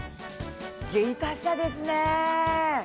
芸達者ですねー！